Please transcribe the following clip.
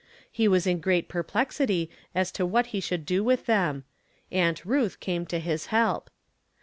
He was iia great perplexity as to what he should do with them. Aunt Ruth came to his help.